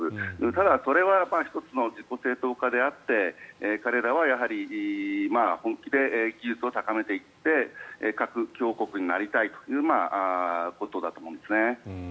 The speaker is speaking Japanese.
ただ、それは１つの自己正当化であって彼らは、やはり本気で技術を高めていって核強国になりたいということだと思うんですね。